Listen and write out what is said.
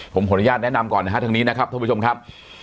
ผมพออนุญาตแนะนำก่อนครับทางนี้ครับทุกผู้ชมครับ